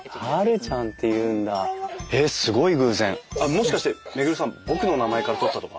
もしかして周さん僕の名前から取ったとか？